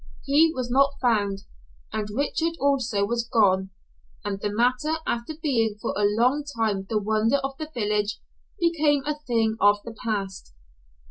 He was not found, and Richard also was gone, and the matter after being for a long time the wonder of the village, became a thing of the past.